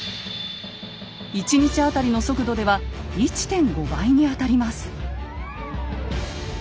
１日当たりの速度では１．５倍にあたります。